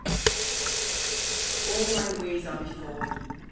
_All my ways are before thee.